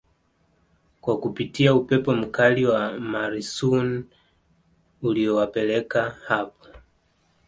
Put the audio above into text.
kwa kupitia upepo mkali wa Morisoon uliowapeleka hapo